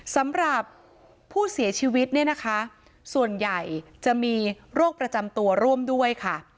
สำหรับผู้เสียชีวิตเนี่ยนะคะส่วนใหญ่จะมีโรคประจำตัวร่วมด้วยค่ะ